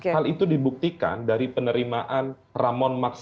hal itu dibuktikan dari penerimaan ramon max